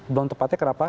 belum tepatnya kenapa